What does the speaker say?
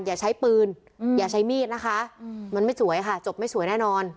อย่าใช้ปืนอย่าใช้มีดนะคะมันไม่สวยค่ะจบไม่สวยแน่นอน